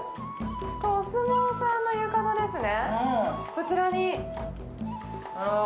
お相撲さんの浴衣ですね。